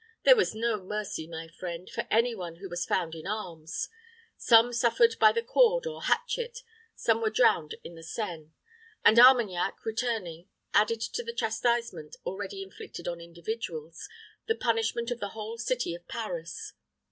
There was no mercy, my friend, for any one who was found in arms. Some suffered by the cord or hatchet, some were drowned in the Seine; and Armagnac returning, added to the chastisement already inflicted on individuals, the punishment of the whole city of Paris.